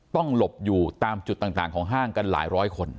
หลบอยู่ตามจุดต่างของห้างกันหลายร้อยคน